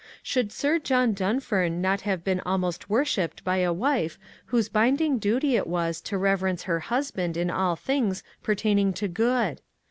Should Sir John Dunfern not have been almost worshipped by a wife whose binding duty it was to reverence her husband in all things pertaining to good?